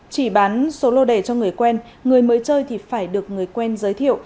chỉ bán số lô đề cho người quen người mới chơi thì phải được người quen giới thiệu